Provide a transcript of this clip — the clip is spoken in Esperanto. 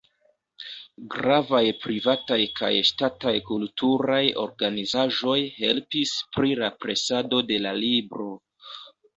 Gravaj privataj kaj ŝtataj kulturaj organizaĵoj helpis pri la presado de la libro.